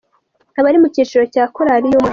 Abari mu cyiciro cya Korali y'umwaka.